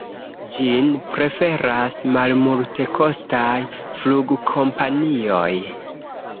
Ĝin preferas malmultekostaj flugkompanioj.